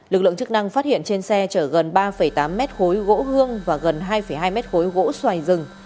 lực lượng chức năng phát hiện trên xe chở gần ba tám mét khối gỗ hương và gần hai hai mét khối gỗ xoài rừng